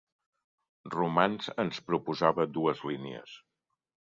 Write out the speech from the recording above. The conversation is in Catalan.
Romans ens proposava dues línies.